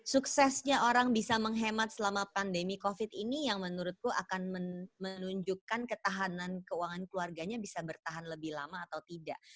suksesnya orang bisa menghemat selama pandemi covid ini yang menurutku akan menunjukkan ketahanan keuangan keluarganya bisa bertahan lebih lama atau tidak